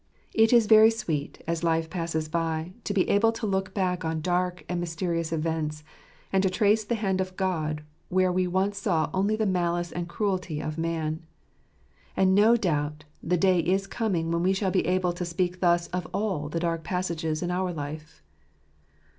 It is very sweet, as life passes by, to be able to look back on dark and mysterious events, and to trace the hand of God where we once saw only the malice and cruelty of man. And no doubt the day is coming when we shall be able to speak thus of all the dark passages of our life.